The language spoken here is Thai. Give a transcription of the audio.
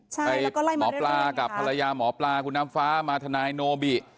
ใช่แล้วก็ไล่มาเรื่อยค่ะหมอปลากับภรรยาหมอปลาคุณน้ำฟ้ามาทนายโนบิ